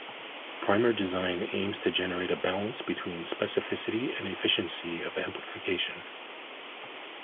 Primer design aims to generate a balance between specificity and efficiency of amplification.